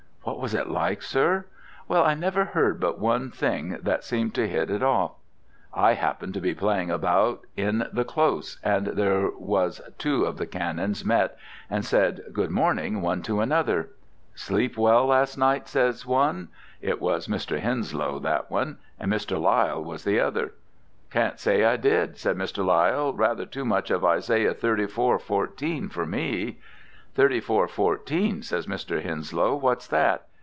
What was it like, sir? Well, I never heard but one thing that seemed to hit it off. I happened to be playing about in the Close, and there was two of the Canons met and said 'Good morning' one to another. 'Sleep well last night?' says one it was Mr. Henslow that one, and Mr. Lyall was the other 'Can't say I did,' says Mr. Lyall, 'rather too much of Isaiah 34. 14 for me.' '34. 14,' says Mr. Henslow, 'what's that?'